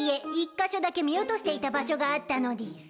カ所だけ見落としていた場所があったのでぃす。